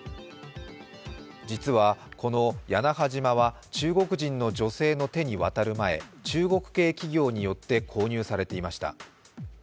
実はこの屋那覇島は中国人の女性の手に渡る前、中国系企業によって購入されていました。